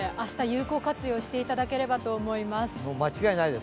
有効活用していただければと思います。